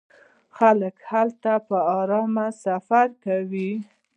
خلک هلته په ارامۍ سفر کوي.